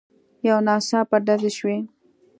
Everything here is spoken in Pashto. يو ناڅاپه ډزې شوې.